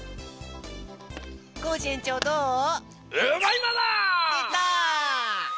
コージえんちょうどう？でた！